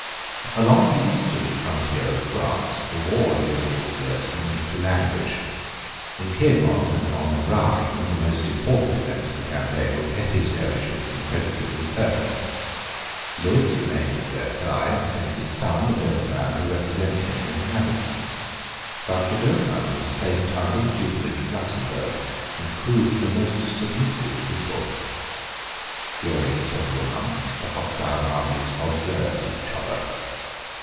Along the eastern frontier of France the war during this year seemed to languish. In Piedmont and on the Rhine the most important events of the campaign were petty skirmishes and predatory incursions. Lewis remained at Versailles, and sent his son, the Dauphin, to represent him in the Netherlands; but the Dauphin was placed under the tutelage of Luxemburg, and proved a most submissive pupil. During several months the hostile armies observed each other.